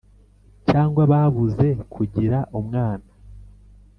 cyangwa babuze kugira umwana